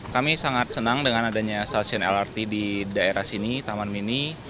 kami sangat senang dengan adanya stasiun lrt di daerah sini taman mini